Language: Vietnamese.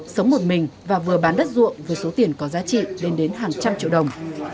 sống một mình và vừa bán đất ruộng với số tiền có giá trị lên đến hàng trăm triệu đồng